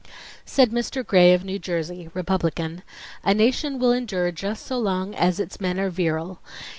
... Said Mr. Gray of New Jersey, Republican: "A nation will endure just so long as its men are virile.